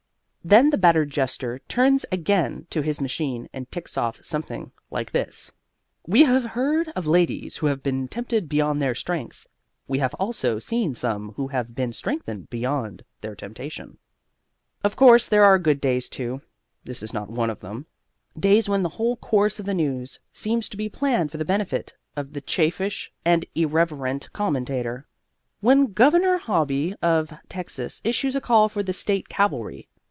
Then the battered jester turns again to his machine and ticks off something like this: _We have heard of ladies who have been tempted beyond their strength. We have also seen some who have been strengthened beyond their temptation._ Of course there are good days, too. (This is not one of them.) Days when the whole course of the news seems planned for the benefit of the chaffish and irreverent commentator. When Governor Hobby of Texas issues a call for the state cavalry.